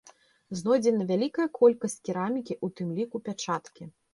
Знойдзена вялікая колькасць керамікі, у тым ліку пячаткі.